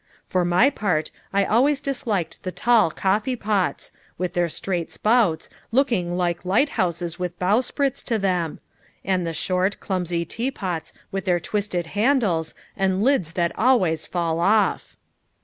For my part, I always disliked the tall coffee pots, with their straight spouts, looking like light houses with bowsprits to them; and the short, clumsy teapots, with their twisted handles, and lids that always fall off."